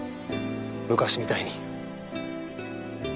昔みたいに。